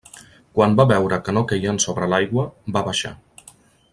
Quan va veure que no queien sobre l'aigua, va baixar.